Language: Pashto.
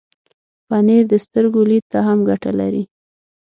پنېر د سترګو لید ته هم ګټه لري.